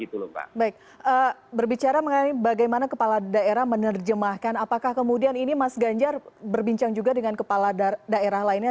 di daerah lainnya